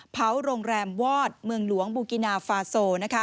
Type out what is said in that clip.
เผาโรงแรมวอดเมืองหลวงบูกินาฟาโซ